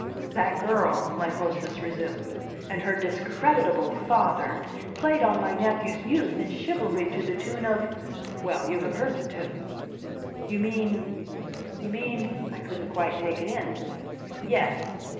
"That girl," my hostess resumed, "and her discreditable father played on my nephew's youth and chivalry to the tune of well, you have heard the tune." "You mean you mean ?" I couldn't quite take it in. "Yes.